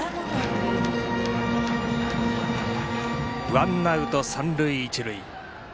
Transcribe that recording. ワンアウト、三塁一塁。